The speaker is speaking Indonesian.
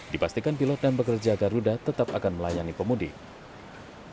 dipastikan pilot dan pekerja garuda tetap akan melayani pemudik